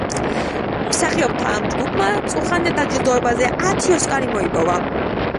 მსახიობთა ამ ჯგუფმა წუხანდელ დაჯილდოებაზე ათი ოსკარი მოიპოვა.